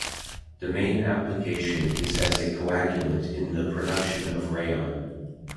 The main application is as a coagulant in the production of rayon.